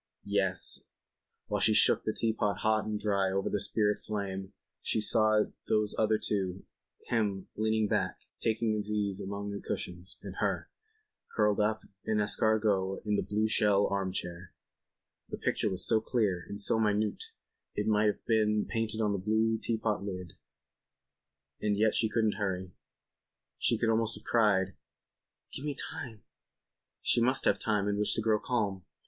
Yes, while she shook the teapot hot and dry over the spirit flame she saw those other two, him, leaning back, taking his ease among the cushions, and her, curled up en escargot in the blue shell arm chair. The picture was so clear and so minute it might have been painted on the blue teapot lid. And yet she couldn't hurry. She could almost have cried: "Give me time." She must have time in which to grow calm.